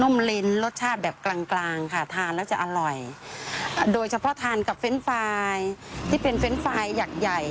พี่วิจุณีบอกแบบนี้แล้วอยากจะไปทานสเต๊กขึ้นมาเลยทันที